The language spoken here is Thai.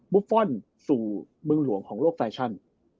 ฟอลสู่เมืองหลวงของโลกแฟชั่น